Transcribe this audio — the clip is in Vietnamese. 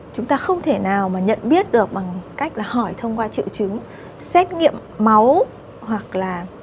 chúng ta không thể nào mà nhận biết được bằng cách là hỏi thông qua triệu chứng xét nghiệm máu hoặc là